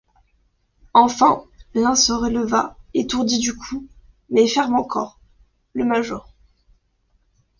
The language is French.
Enfin, l’un se releva, étourdi du coup, mais ferme encore, — le major.